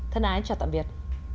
thân ái chào tạm biệt